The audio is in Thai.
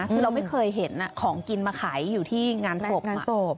คือเราไม่เคยเห็นของกินมาขายอยู่ที่งานศพ